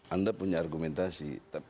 anda punya argumentasi